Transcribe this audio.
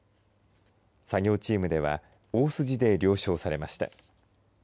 作業チームでは大筋で了承されました。